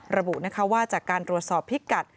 ระบุนะคะว่าจากการตรวจสอบพิกัด